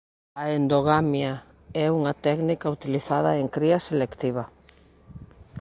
A endogamia é unha técnica utilizada en cría selectiva.